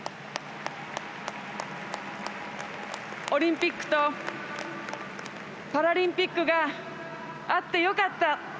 オリンピックとパラリンピックがあってよかった。